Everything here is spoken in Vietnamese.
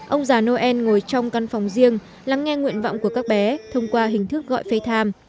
ông già noel ngồi trong căn phòng riêng lắng nghe nguyện vọng của các bé thông qua hình thức gọi phê tham